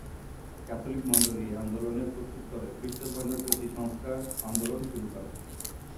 Catholic মণ্ডলী এই আন্দোলনের প্রত্যুত্তরে খ্রিস্টধর্মের প্রতি-সংস্কার-আন্দোলন শুরু করে।